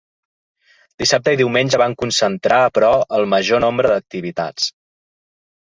Dissabte i diumenge van concentrar, però, el major nombre d’activitats.